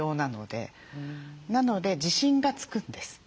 なので自信がつくんです。